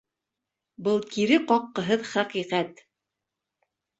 Был кире ҡаҡҡыһыҙ хәҡиҡәт!